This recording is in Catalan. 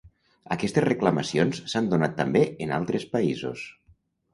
Aquestes reclamacions s'han donat també en altres països.